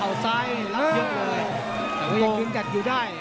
แล้วเยี่ยมเลยมีกลุ่มกัดอยู่ได้